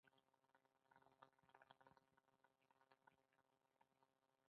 افغانستان د کلي په اړه مشهور تاریخی روایتونه لري.